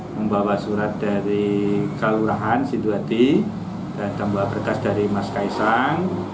membawa surat dari kelurahan sinduati dan tambah berkas dari mas kaisang